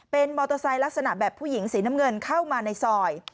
เป็นมอเตอร์ไซค์ลักษณะแบบผู้หญิงสีน้ำเงินเข้ามาในซอย